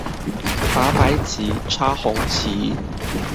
拔白旗、插紅旗